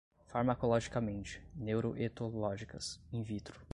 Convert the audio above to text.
farmacologicamente, neuroetológicas, in vitro